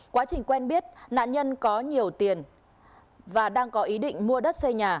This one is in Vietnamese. quá trình quen biết nạn nhân có nhiều tiền và đang có ý định mua đất xây nhà